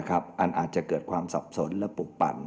อันอาจจะเกิดความสับสนและปกปัน